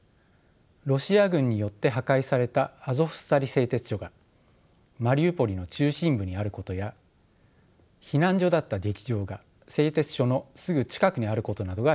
ロシア軍によって破壊されたアゾフスタリ製鉄所がマリウポリの中心部にあることや避難所だった劇場が製鉄所のすぐ近くにあることなどが見えてきます。